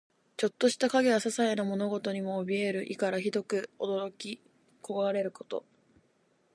ちょっとした影やささいな物音にもおびえる意から、ひどく驚き怖れること。